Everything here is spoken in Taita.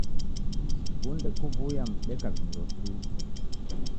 Sikunde kuw'uya mdeka-vindo tu